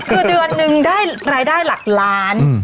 คือเดือนนึงได้รายได้หลักล้าน